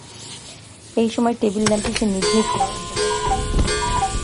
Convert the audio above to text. এই সময় টেবিল-ল্যাম্পটি সে নিভিয়ে ঘর অন্ধকার করে দিচ্ছে।